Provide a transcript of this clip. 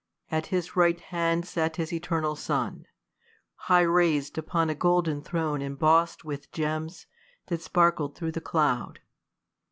At his right hand sat his eternal Son, High rais'd upon a golden throne emboss'd With gems, that sparkled through the cloud.